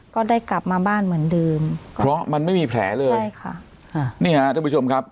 ก็ได้กลับมาบ้านเหมือนเดิมเพราะมันไม่มีแผลเลยใช่ค่ะนี่ฮะท่านผู้ชมครับ